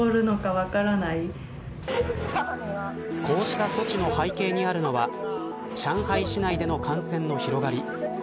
こうした措置の背景にあるのは上海市内での感染の広がり。